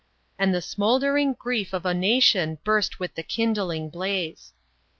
" And the smouldering grief of a nation burst with the kindling blaze."